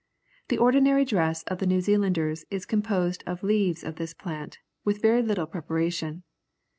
The ordinary dress of the New Zealanders is composed of leaves of this plant, with very little preparation.